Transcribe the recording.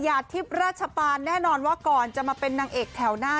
ทิพย์ราชปานแน่นอนว่าก่อนจะมาเป็นนางเอกแถวหน้า